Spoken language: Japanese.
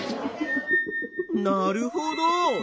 なるほど。